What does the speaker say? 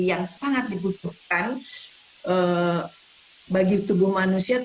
yang sangat dibutuhkan bagi tubuh manusia